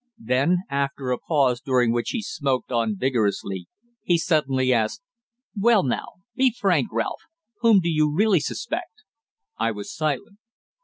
Then, after a pause during which he smoked on vigorously, he suddenly asked, "Well now, be frank, Ralph, whom do you really suspect?" I was silent.